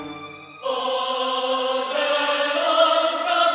apa yang kamu lakukan